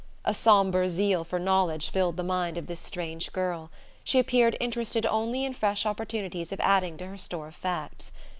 A sombre zeal for knowledge filled the mind of this strange girl: she appeared interested only in fresh opportunities of adding to her store of facts.